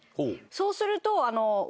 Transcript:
そうすると。